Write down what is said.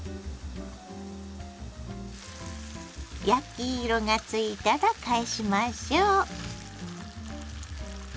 焼き色がついたら返しましょう。